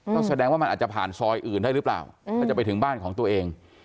ก็แสดงว่ามันอาจจะผ่านซอยอื่นได้หรือเปล่าถ้าจะไปถึงบ้านของตัวเอง